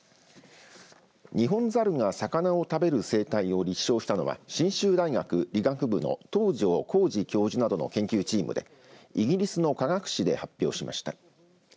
ニホンザルが魚を食べる生態を立証したのは信州大学理学部の東城幸治教授などの研究チームでイギリスの科学誌で発表されました。